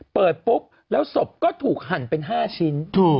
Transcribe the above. เปิดปุ๊บแล้วศพก็ถูกหั่นเป็น๕ชิ้น